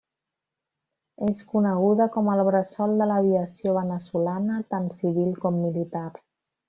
És coneguda com el bressol de l'aviació veneçolana, tant civil com militar.